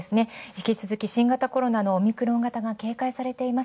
引き続き、新型コロナのオミクロン型が警戒しています。